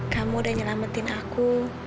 kamu udah nyelamatin aku